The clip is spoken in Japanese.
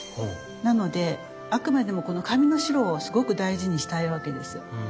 なのであくまでもこの紙の白をすごく大事にしたいわけですよ。